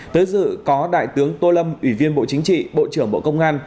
tới dự có đại tướng tô lâm ủy viên bộ chính trị bộ trưởng bộ công an